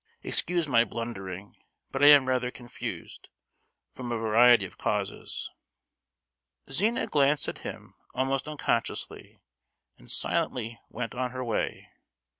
Excuse my blundering, but I am rather confused, from a variety of causes." Zina glanced at him almost unconsciously, and silently went on her way.